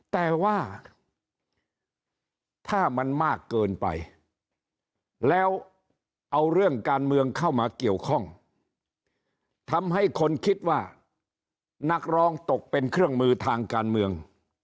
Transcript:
แต่ว่าถ้ามันมากเกินไปแล้วเอาเรื่องการเมืองเข้ามาเกี่ยวข้องทำให้คนคิดว่านักร้องตกเป็นเครื่องมือทางการเมือง